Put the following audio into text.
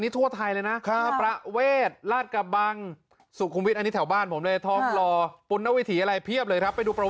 แต่นี่ทั่วไทยเลยนะ